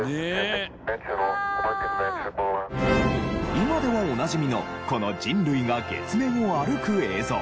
今ではおなじみのこの人類が月面を歩く映像。